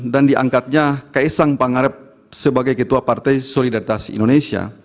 dan diangkatnya keesang pangarep sebagai ketua partai solidaritas indonesia